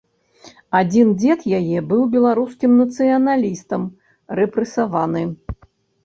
Адзін дзед яе быў беларускім нацыяналістам, рэпрэсаваны.